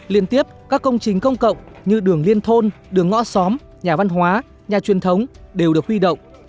liên tiếp các công trình công cộng như đường liên thôn đường ngõ xóm nhà văn hóa nhà truyền thống đều được huy động